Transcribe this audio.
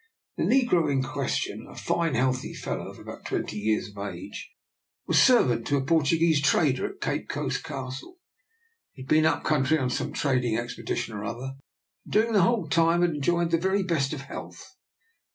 The negro in question, 46 DR. NIKOLA'S EXPERIMENT. a fine healthy fellow of about twenty years of age, was servant to a Portuguese trader at Cape Coast Castle. He had been up country on some trading expedition or other, and during the whole time had enjoyed the very best of health.